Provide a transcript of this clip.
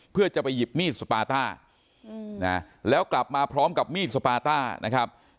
เพื่อจะไปหยิบมีดสปาต้าแล้วกลับมาพร้อมกับมีดสปาต้านะครับ